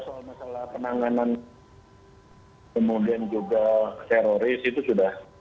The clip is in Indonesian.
soal masalah penanganan kemudian juga teroris itu sudah